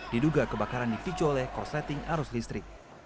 diduga kebakaran dipicu oleh korsleting arus listrik